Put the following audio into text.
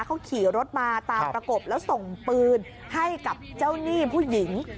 เขาขี่รถมาตามประกบแล้วส่งปืนให้กับเจ้าหนี้ผู้หญิง